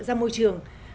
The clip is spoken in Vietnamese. ra môi trường